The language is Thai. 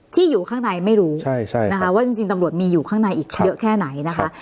ที่อยู่ข้างในไม่รู้นะคะว่าจริงตำรวจมีอยู่ข้างในอีกเยอะแค่ไหนนะคะ